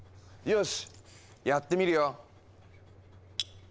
よしやってみるよ！